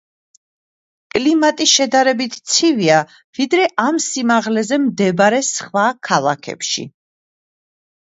კლიმატი შედარებით ცივია, ვიდრე ამ სიმაღლეზე მდებარე სხვა ქალაქებში.